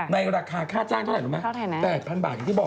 ราคาค่าจ้างเท่าไหร่ไหม๘๐๐บาทอย่างที่บอก